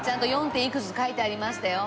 いくつって書いてありましたよ。